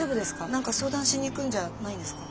何か相談しに行くんじゃないんですか？